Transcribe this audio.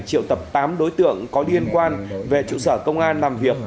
triệu tập tám đối tượng có liên quan về trụ sở công an làm việc